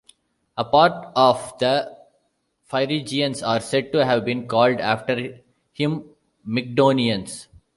A part of the Phrygians are said to have been called after him Mygdonians.